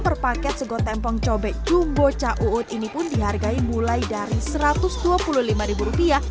per paket segotempong cobek jumbo ca uud ini pun dihargai mulai dari rp satu ratus dua puluh lima rupiah